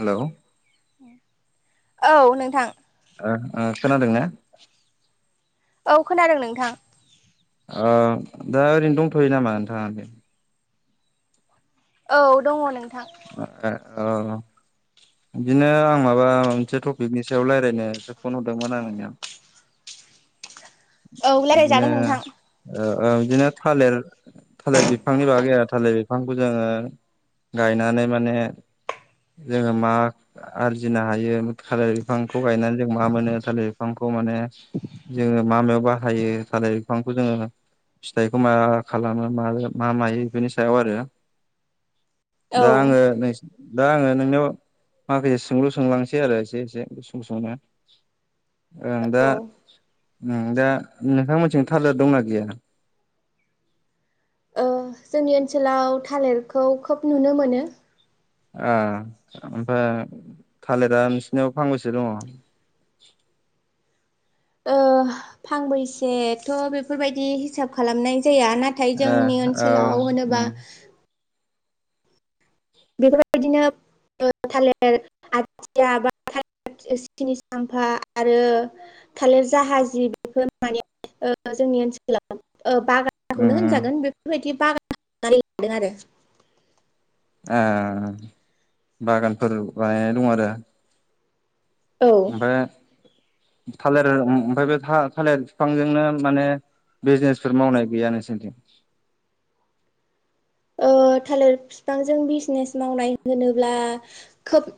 Hello औ नोंथां ओ ओ खोनादों ना औ खोनादों नोंथां ओ दा ओरैनो दंथ'यो नामा नोंथाङा बे औ दङ नोंथां औ बिदिनो आं माबा मोनसे टपिकनि सायाव रायलायनोसो फन हरदोंमोन आं नोंथां औ बिदिनो रायज्लायजागोन नोंथां ओ ओम बिदिनो थालेर थालिर बिफांनि बागै आरो थालिर बिफांखौ जोङो गायनानै जोङो मा आरजिनो हायो थालिर बिफांखौ गायनानै जों मा मोनो थालिर बिफांखौ खौ माने जोङो मामायाव बाहायो थालिर बिफांखौ जोङो फिथाइखौ मा खालामो म मा मायो बेफोरनि सायाव आरो औ दा आङो नोसनो दा आङो नोंनियाव माखासे सोंलु सोंलांनोसै आरो एसे एसे गुसुं गुसुंनो ओं दा औ होम दा नोंथांमोननिथिं थालेर दंना गैया औ जोंनि ओनसोलाव थालिरखौ खोब नुनो मोनो ओ ओमफ्राय थालिरा नोंसिनियाव फांबैसो दङ [inaudible] ओ फांबैसेथ' बेफोरबायदि हिसाब खालामनाय जाया नाथाय ए जोंनि औ ओनसोलाव उम होनोबा बेफोरबायदिनो ओ थालिर आथिया बा थाले सिनि साम्फा आरो थालिर जाहाजि बेफोर माने ओ जोंनि ओनसोलााव ओ बागानखौनो उम होनजागोन बेफोरबायदि बागान होननानै लादों आरो ओ बागानफोर बानायनाय दं आरो आरो औ ओमफ्राय थालिर ओमफाय बे थालिर बिफांजोंनो माने बिजनेसफोर मावनाय गैया नोंसोरथिं ओ थालिर बिफांजों बिजनेस मावनाय होनोब्ला खोब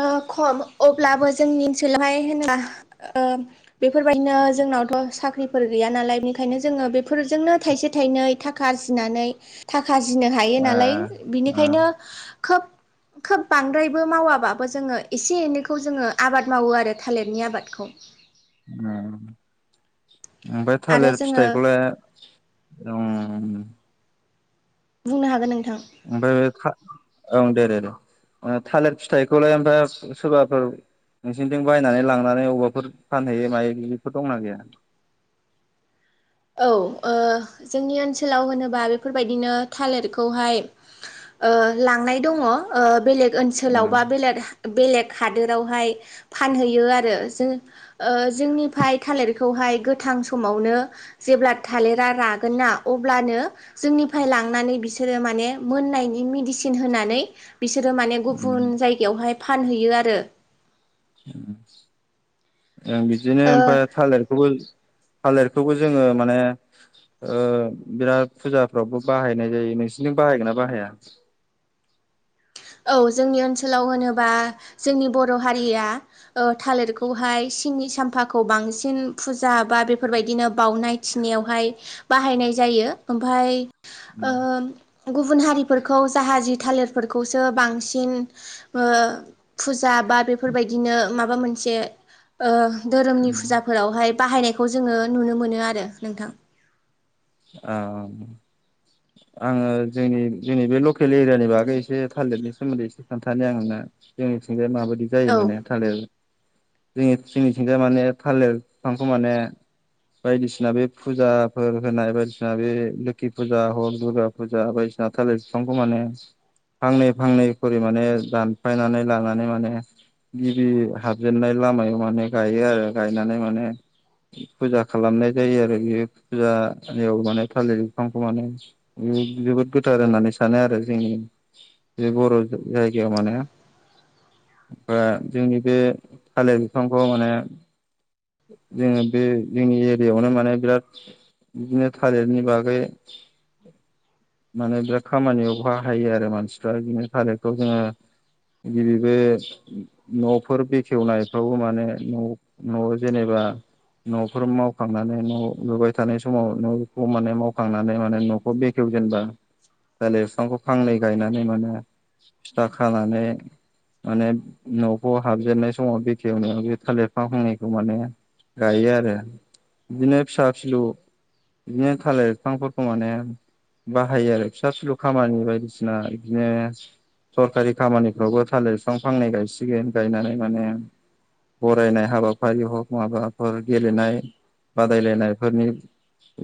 ओ खम अब्लाबो जोंनि ओनसोलावहाय होनोबा ओ बेफोरबायदिनो जोंनावथ' साख्रिफोर गैया नालाय बेनिखायनो जोङो बेफोरजोंनो थाइसे थाइनै थाखा आरजिनानै थाखा आरजिनो हायो ए नालाय ओ बिनिखायनो खोब खोब बांद्रायबो मावाबा बो जोङो एसे एनैखौ जोङो आबाद मावो आरो थालिरनि आबादखौ औ ओमफ्राय आरो थालिर जोङो फिथाइखौलाय बुंनो हागोन नों ओमफ्राय था ओं दे दे दे थालिर फिथाइखौलाय ओमफ्राय सोरबाफोर नोंसिनिथिं बायनानै लांनानै अबाफोर फानहैयो मायो बेदिफोर दंना गैया [inaudible] औ जोंनि ओनसोलाव होनोबा बेफोरबायदिनो थालिरखौहाय लांनाय दङ बेलेग ओ ओनसोलाव बा बेलेग बेलेग हादोरावहाय फानहैयो आरो जों जोंनिफ्राय थालिरखौ हाय गोथां समावनो जेब्ला थालिरा रागोन ना अब्लानो जोंनिफ्राय लांनानै बिसोरो माने मोननायनि मेदिसिन होनानै बिसोरो माने गुबुन जायहाय फानहैयो आरो बिदिनो ओ ओमफ्राय थालिरखौबो थालिरखौबो जोङो माने बिराद फुजाफ्रावबो बाहायनाय जायो नोंसोरथिं बाहायो ना बाहाया। [inaudible] औ जोंनि ओनसोलाव होनोबा जोंनि बर' हारिया थालिरखौहाय सिंनि साम्फाखौ बांसिन फुजा बा बेफोरबायदिनो बाउनाय थिनायावहाय बाहायनाय जायो ओमफ्राय गुबुन हारिफोरखौ जाहानि थालिरफोरखौ बांसिन फुजा बा बेफोरबायदिनो माबा मोनसे धोरोमनि फुजाफोरावहाय बाहायनायखौ जोङो नुनो मोनो आरो नोंथां। अ आङो जोंनि जोंनि बे लकेल एरियानि बागै एसे थालिरनि सोमोन्दै एसे खोन्थानो आं नोंनो जोंनिथिंजाया माबायदि जायो औ माने थालिर जोंनि जोंनिथिंजाय माने थालिर बिफांखौ माने बायदिसिना बे फुजाफोर होनाय बायदिसिना बे लोखि फुजा हर दुर्गा फुजा बायदिसिना थालिर बिफांखौ माने फांनै फांनै खरि माने दानफायनानै लानानै माने गिबि हाबजेननाय लामायाव माने गायो आरो गायनानै माने फुजा खालामनाय जायो आरो बे फुजा बेयाव माने थालिर बिफांखौ माने जोबोद गोथार होननानै सानो आरो जोंनि बे बर' जायगायाव माने ओमफ्राय जोंनि बे थालिर बिफांखौ माने जोङो बे जोंनि एरियाआवनो माने बिराद बिदिनो थालिरनि बागै माने बिराद खामानियाव बाहायो आरो मानसिफ्रा बिदिनो थालिरखौ जोङो। न'फोर बेखेवनायफ्रावबो माने न' न'आव जेनेबा [unintelligible] न'फोर मावखांनानै न' लुबाय थानाय समाव न'खौ माने मावखांनानै माने न'खौ बेखेवजेनबा थालिर बिफांखौ फांनै गायनानै माने फिथा खानानै माने न'खौ हाबजेननाय समाव बेखेवनायाव बे थालिर फांनैखौ माने गायो आरो बिदिनो फिसा फिसलौ बिदिनो थालिर बिफांफोरखौ माने बाहायो आरो फिसा फिसलौ खामानि बायदिसिना बिदिनो सरकारि खामानिफ्रावबो थालिर बिफां फांनै गायसिगोन गायनानै माने बरायनाय हाबाफारि हक माबाफोर गेलेनाय बादायलायनाय फोरनि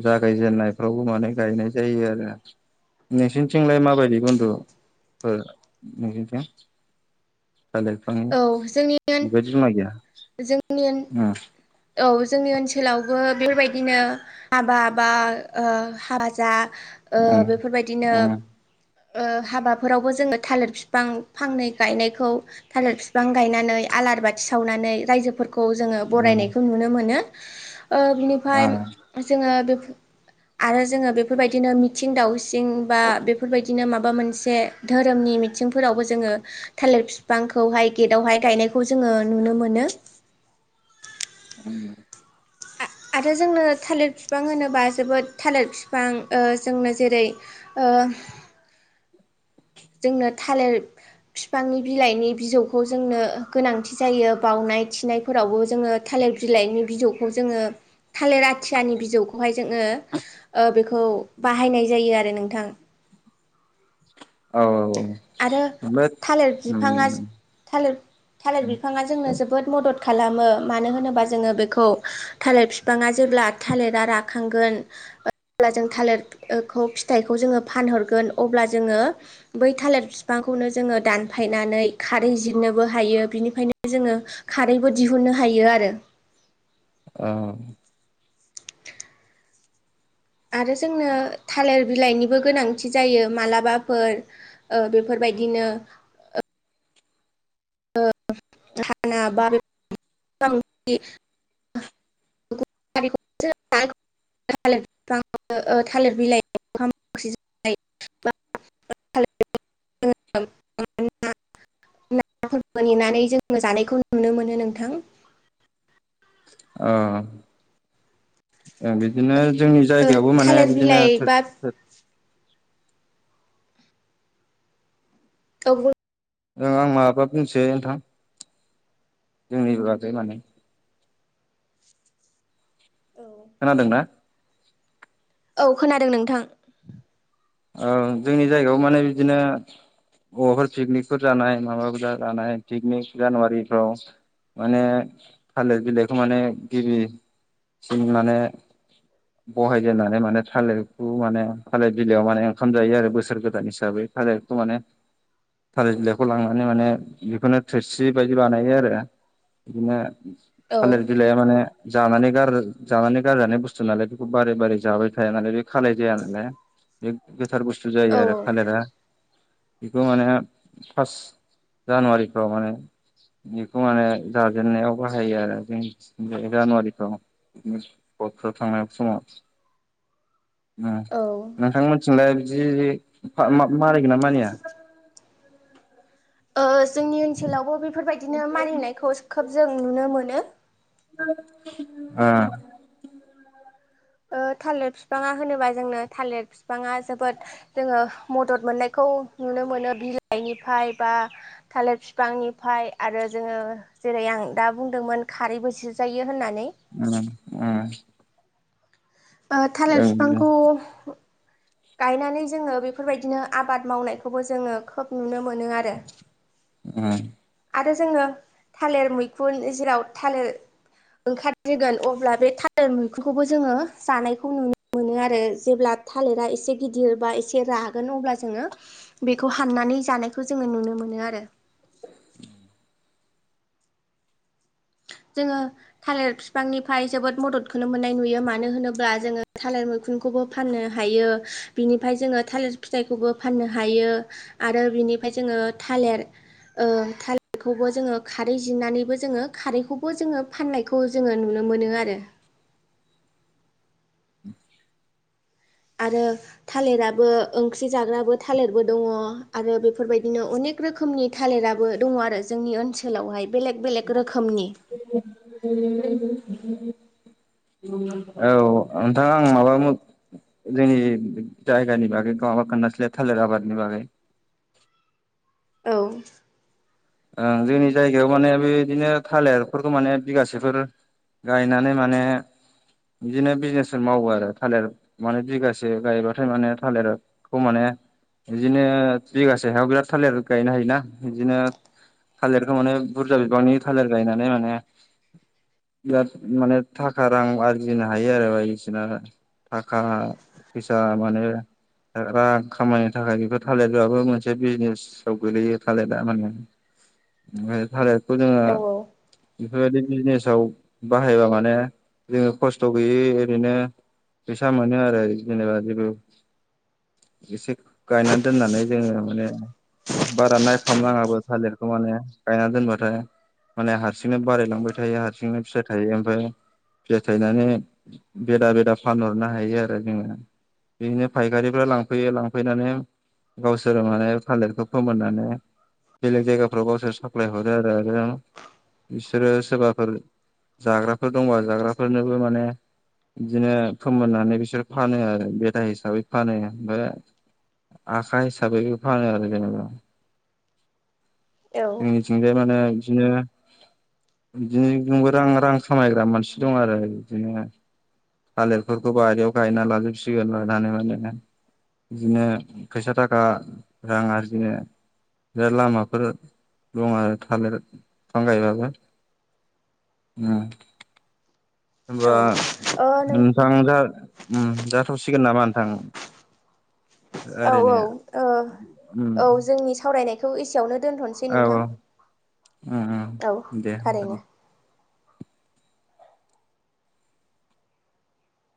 जागायजेनन्नायफ्रावबो माने गायनाय जायो आरो। नोंसोरनिथिंलाय माबायदि बन्दु नोंसोरनिथिं थालिरफांनि औ जोंनि बेबायदि जमा गैया जोंनि उम औ जोंनि ओनसोलावबो बेबायदिनो हाबा बा ओ हाबा जा ओ बेफोरबायदिनो उम ओ हाबाफोरावबो जोङो थालिर बिफां फांनै गायनायखौ थालिर बिफां गायनानै आलार बाथि सावनानै रायजोफोरखौ जोङो उम उम बरायनायखौ नुनो मोनो ओ बिनिफ्राय जोंङो ! ! ! आरो जोङो बेफोरबायदिनो मिथिं दावसिं बा बेफोरबायदिनो माबा मोनसे धोरोमनि मिथिंफोरावबो जोङो थालिर बिफांखौहाय गेटावहाय गायनायखौ जोङो नुनो मोनो उम आरो जोंनो थालिर बिफां होनोबा जोबोद थालिर बिफां ओ‌ जोंनो जेरै ओ ! ! !! ! ! ! बिफांनि बिलाइनि बिजौखौ जोंनो गोनांथि जायो बावउनाय थिनायफोरावबो जोङो थालिर बिलाइनि बिजौखौ जोङो थालेर आथियानि बिजौखौहाय जोङो ओ बेखौ बाहायनाय जायो आरो नोंथां औ औ औ आरो ओमफ्राय थालिर बिफाङा उम थालिर थालिर बिफाङा जोंनो जोबोद मदद खालामो मानो होनोबा जोङो बेखौ थालिर बिफाङा जेब्ला थालिरा राखांगोन अब्ला जों थालिरखौ फिथाइखौ जोङो फानहरगोन अब्ला जोङो बै थालेर बिफांखौनो जोङो दानफायनानै खारै जिरनोबो हायो बिनिफ्रायनो जोङो खारैबो दिह हुननो हायो आरो औ आरो जोंनो थालिर बिलाइनिबो गोनांथि जायो मालाबाफोर ओ बेफोर बायदिनो ! ! ! ओ हाना बार ! ! ! ओ ओ थालिर बिलाइ दंफां ओ थालिर बिफां मेनानै जोंङो जानायखौ नुनो मोनो नोंथां ओ ओ बिदिनो जोंनि ओ जायगायावबो माने थालिर बिदिनो बिलाइ बा थोरसि खौ बो ओ आं माबा बुंसै नोंथां जोंनि लागै माने खोना दोंना औ खोनादों नोंथां औ जोंनि जायगायाव मोनोबिदिनो अफोर पिकनिकफोर जानायाय माबारज जानायाय पिकनिक जानुवारिफ्राव माने थालिर बिलाइखौ माने गिबिसिन माने बहायजेननानै माने थालिरखौ माने थालिर बि बिलायाव माने ओंखाम जायो आरो बोसोर गोदान हिसाबै थालिरखौ माने थालिर बिलाइखौ लांनानै माने बेखौनो थोरसि बायदि बानायो आरो बिदिनो औ थालिर बिलाइ माने जानानै गार जानानै गारजानाय बुस्थु नालाय बेखौ बारै बारै जाबाय थाया नालाय बे खालाय जाया नालाय बे गोथार बुस्थु जायो औ आरो थालेरा बेखौ माने फार्स्ट जानुवारि माने बेखौ माने जाजेननायाव बाहायो आरो जों बे जानुवारि फोराव बथफ्राव थांनाय समाव औ। थिंलाय बिदि फा मा मानिगोन ना मानिया? ओ जोंनि ओनसोलावबो बेफोरबायदिनो मानिनायखौ खोब जों नुनो मोनो। आ ओ थालिर बिफाङा होनोबा जोंनो थालिर बिफाङा जोबोद जोङो मदद मोननायखौ औ नुनो मोनो बिलाइनिफ्राय बा थालिर बिफांनिफ्राय आरो जोङो जेरै आं दा बुंदोंमोन खारैबो सिजायो ओम ओम। ओ थालिर बिफांखौ [inaudible] गायनानै जोङो बेफोरबायदिनो आबाद मावनायखौबो जोङो खोब नुनो मोनो आरो। ओम। आरो जोङो थालिर मैखुन जेराव थालेर ओंखारग्रोगोन अब्ला बे थालिर मैखुनखौबो जोङो जानायखौ नुनो मोनो आरो। जेब्ला थालिरा एसे गिदिर बा एसे रागोन अब्ला जोङो बेखौ हाननानै जानायखौ जोङो नुनो मोनो आरो। जोङो थालिर बिफांनिफ्राय जोबोद मददखौनो मोननाय नुयो मानो होनोब्ला जोङो थालिर मैं खुनखौबो फनो हायो। बिनिफ्राय जोङो थालिर फिथखौबो फाननो हायो। आरो बे निफाय जोङो थालिर थालिरखौबो जोङो खारै जिरनानैबो जों खारैखौ बो जोङो फाननायखौ जोङो नुनो मोनो आरो। आरो थालिराबो ओंख्रि जाग्राबो थालिरबो दङ आरो बेफोरबायदिनो अनेक रोखोमनि थालिराबो दङ आरो जोंनि ओनसोलावहाय। बेलेग बेलेग रोखोमनि [unintelligible] औ नोंथां आं माबा जोंनि जायगा नि बागै गाबा खोनथासैलाय थालेर आबादनि बागै। [inaudible] औ। ओं जोंनि जायगायाव माने बेदिनो थालिरफोरखौ माने बिगासेफोर गायनानै माने बिदिनो बिजनेसफोर मावो आरो थालिर माने बिगासे गायबाथाय माने थालिरखौ माने बिदिनो बिगासे हायाव बिराद थालिर गायनो हायोना, बिदिनो थालिरखौ माने बुरजा बिबांनि थालिर गायनानै माने बिराद माने थाखा रां आरजिनो हायो आरो बायदिसिना थाखा फैसा मानो। रां खामायनो थाखाय बेफोर थालिरआबो मोनसे बिजनेसाव गोलैयो थालिरा माने। ओमफाय थालेरखौ जोङो औ बेफोरबायदि बिजनेसाव बाहायबा माने जोङो खस्थ' गैयि ओरैनो फैसा मोनो आरो जेनेबा जेबो एसे गायनानै दोननानै जोङो माने बारा नायफाम नङाबो। थालिरखौ माने गायना दोनबाथाय माने हारसिंनो बारायलांबाय थायो हासिंनो फिसाय थायो ओमफाय फिथाइ थायनानै बेदा बेदा फानहरनो हायो आरो जोङो । बिदिनो फायखारिफ्रा लांफैयो लांफैनानै गावसोरो माने थालिरखौ फोमोननानै बेलेग जायगाफ्राव गावसोर साप्लाय हरो आरो। आरो बिसोरो सोरबाफोर जाग्राफोर दंबा जाग्राफोरनोबो माने बिदिनो फोमोननानै बिसोर फानो आरो बेदा हिसाबै फानो आरो। ओमफाय आखा हिसाबैबो फानो आरो जेनेबा। औ जोंनिथिंजाय माने बिदिनो बिदिनो जोंबो रां रां खामायग्रा मानसि दं आरो बिदिनो । थालिरफोरखौ बाहयाव गायना लाजोबसिगोन लानानै माने बिदिनो फैसा थाखा रां आरजिनो बे लामाफोर दं आरो थालिर बिफां गायबाबो । उ होनबा औ नों नोंथां जा जाथ'सिगोन नामा नोंथां । औ -औ ओ उम औ जोंनि सावरायनायखौ एसेयावनो दोनथ'नोसै औ औ नोंथां उम औ उम दे होनबा। थारैनो ।